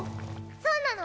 そうなの。